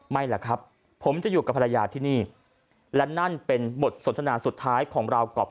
แหละครับผมจะอยู่กับภรรยาที่นี่และนั่นเป็นบทสนทนาสุดท้ายของเรากับ